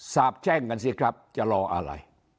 สาบแช่งกันสิครับจะรออะไร